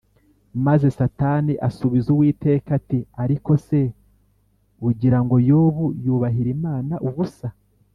maze satani asubiza uwiteka ati “ariko se ugira ngo yobu yubahira imana ubusa’